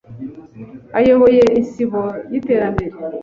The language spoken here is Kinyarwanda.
ayoboye Isibo y’Iterambere